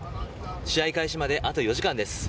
試合開始まであと４時間です。